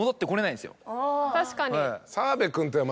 確かに。